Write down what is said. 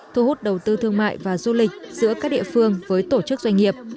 thu hút đầu tư thương mại và du lịch giữa các địa phương với tổ chức doanh nghiệp